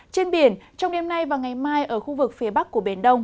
trên biển trong đêm nay và ngày mai ở khu vực phía bắc của biển đông